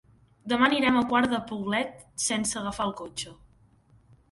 Demà anirem a Quart de Poblet sense agafar el cotxe.